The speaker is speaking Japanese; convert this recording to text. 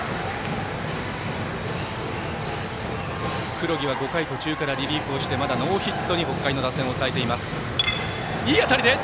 黒木は、５回途中からリリーフをしてまだノーヒットに北海の打線を抑えています。